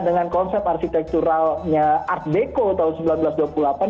dengan konsep arsitekturalnya art deco tahun seribu sembilan ratus sepuluh